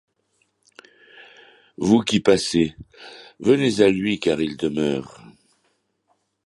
Vous qui passez, venez à lui car il demeure.